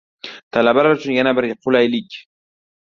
Talabalar uchun yana bir qulaylik!